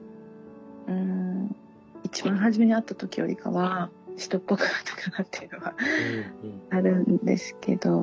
うん一番初めに会った時よりかは人っぽくなったかなっていうのはあるんですけど。